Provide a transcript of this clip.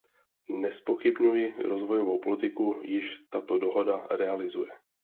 Nezpochybňuji rozvojovou politiku, již tato dohoda realizuje.